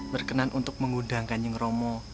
berkenan untuk mengundang kanjeng romo